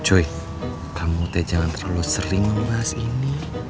cuy kamu jangan terlalu sering membahas ini